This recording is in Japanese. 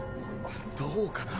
どうかな。